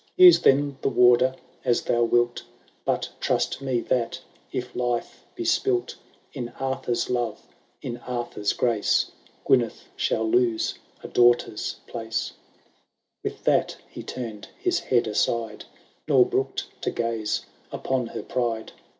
Use, then, the warder aa thou wilt ; But trust me, that, if life be spilt,^ In Arthur^s love, in Arthur^s grace, Gyneth shall lose a daughter's place/ With that he turned his head aside, Nor brooked to gaze upon her pride.